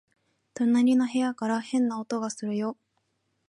隣の部屋から変な音がするよ